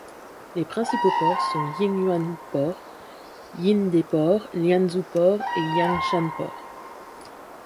Les principaux ports sont Qingyuan Port, Yingde Port, Lianzhou Port et Yangshan Port.